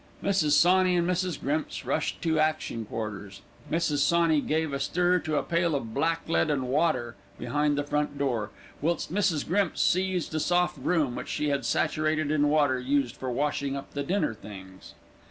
Mrs. Sawney and Mrs. Grimps rushed to action quarters. Mrs. Sawney gave a stir to a pail of blacklead and water behind the front door, whilst Mrs. Grimps seized a soft broom, which she had saturated in water used for washing up the dinner things.